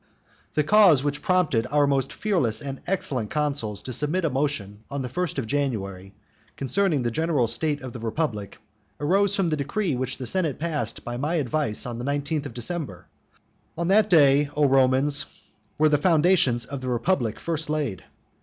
The cause which prompted our most fearless and excellent consuls to submit a motion on the first of January, concerning the general state of the republic, arose from the decree which the senate passed by my advice on the nineteenth of December. On that day, O Romans, were the foundations of the republic first laid.